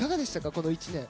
この１年。